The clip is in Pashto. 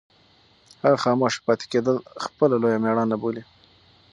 هغه خاموشه پاتې کېدل خپله لویه مېړانه بولي.